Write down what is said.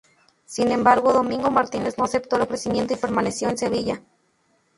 Sin embargo, Domingo Martínez no aceptó el ofrecimiento y permaneció en Sevilla.